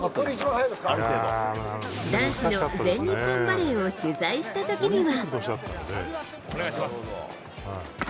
男子の全日本バレーを取材した時には。